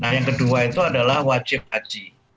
nah yang kedua itu adalah wajib haji